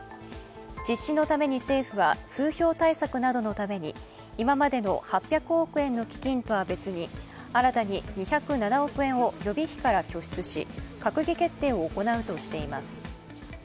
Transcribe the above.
実施のために政府は風評対策などのために今までの８００億円の基金とは別に新たに２０７億円を予備費から拠出し閣議決定を行うとしています。